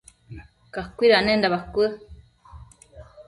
cacuidanenda bacuë